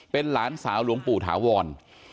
เป็นหลานสาวหลวงปู่ถาวร